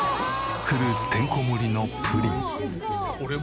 フルーツてんこ盛りのプリン。